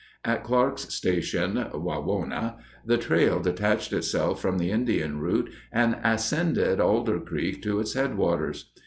At Clark's Station (Wawona), the trail detached itself from the Indian route and ascended Alder Creek to its headwaters.